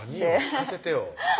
聞かせてよ